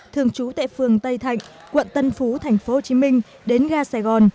thường trú tại phường tây thạnh quận tân phú tp hcm đến ga sài gòn